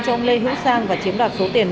cho lê hữu sang và chiếm đoạt số tiền